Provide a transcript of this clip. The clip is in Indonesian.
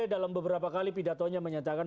dalam beberapa kali pidatonya menyatakan